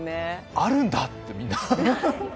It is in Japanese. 「あるんだ」って、みんな。